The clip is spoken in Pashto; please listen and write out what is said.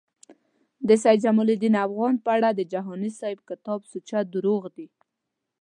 د سید جمالدین افغان په اړه د جهانی صیب کتاب سوچه درواغ دی